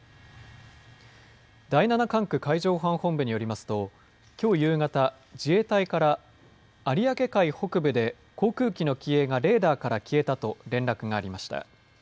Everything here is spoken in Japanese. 第７管区海上保安本部によりますときょう夕方、自衛隊から有明海北部で航空機の機影がレーダーから消えたと連絡がありました。